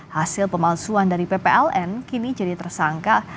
hasil pemalsuan dari ppln kini jadi tersangka